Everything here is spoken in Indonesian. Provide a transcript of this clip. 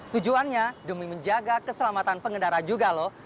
tujuannya demi menjaga keselamatan pengendara juga loh